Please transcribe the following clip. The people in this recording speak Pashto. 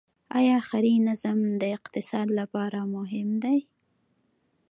آیا ښاري نظم د اقتصاد لپاره مهم دی؟